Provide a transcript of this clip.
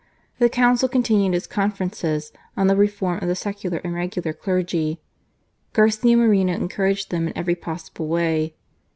The Council continued its conferences on the reform of the secular and regular clergy, Garcia Moreno encouraging them in every possible way.